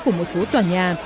của một số tòa nhà